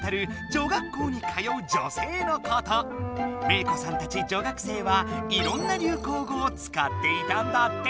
メイ子さんたち女学生はいろんな流行語を使っていたんだって。